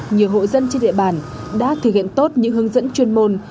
nhiều hộ dân trên địa bàn đã thực hiện tốt những hướng dẫn chuyên môn